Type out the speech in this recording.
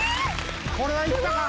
これはいったか！